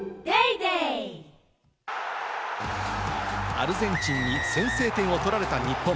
アルゼンチンに先制点を取られた日本。